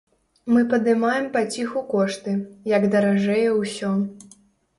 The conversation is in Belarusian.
Мы падымаем паціху кошты, як даражэе ўсё.